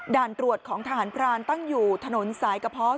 ด่านตรวจของทหารพรานตั้งอยู่ถนนสายกระเพาะ